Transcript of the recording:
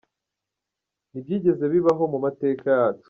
Ntibyigeze bibaho mu mateka yacu ».